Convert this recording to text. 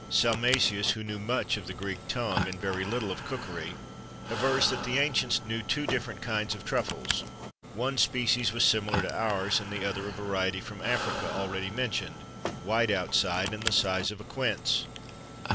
Salmasius, who knew much of the Greek tongue, and very little of cookery, avers that the ancients knew two different kinds of truffles. One species was similar to ours, and the other a variety from Africa, already mentioned, white outside and the size of a quince.